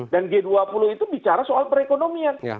dan g dua puluh itu bicara soal perekonomian